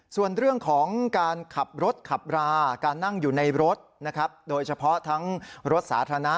ส่วนเรื่องของการขับรถขับราการนั่งอยู่ในรถนะครับโดยเฉพาะทั้งรถสาธารณะ